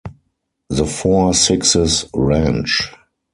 The Four Sixes Ranch.